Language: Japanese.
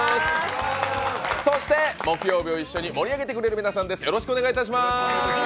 木曜日を一緒に盛り上げてくれる皆さんです。